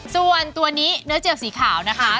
ส่วนตัวนี้เนื้อเจียวสีขาวนะคะ